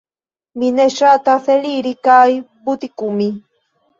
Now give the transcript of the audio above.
Mi ne ŝatas eliri kaj butikumi